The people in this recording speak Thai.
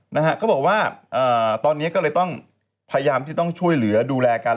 นะฮะเขาบอกว่าอ่าตอนนี้ก็เลยต้องพยายามที่ต้องช่วยเหลือดูแลกัน